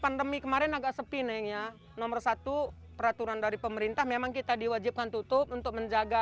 nomor satu peraturan dari pemerintah memang kita diwajibkan tutup untuk menjaga